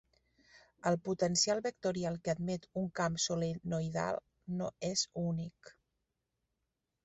El potencial vectorial que admet un camp solenoidal no és únic.